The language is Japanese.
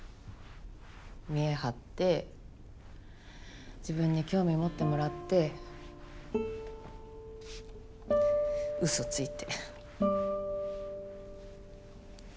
見え張って自分に興味持ってもらってうそついて。